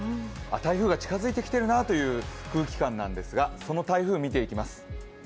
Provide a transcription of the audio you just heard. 台風が近づいてきてるなという空気感なんですがその台風、見ていきます。